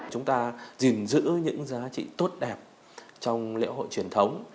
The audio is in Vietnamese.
chúng ta gìn giữ những giá trị tốt đẹp trong lễ hội truyền thống